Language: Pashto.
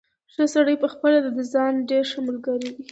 ښه سړی پخپله د خپل ځان ډېر ښه ملګری دی.